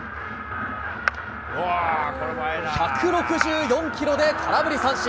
１６４キロで空振り三振。